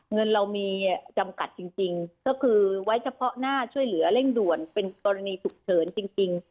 เงินเรามีจำกัดจริงก็คือไว้เฉพาะหน้าช่วยเหลือเร่งด่วนเป็นกรณีฉุกเฉินจริง